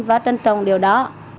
và trân trọng điều đó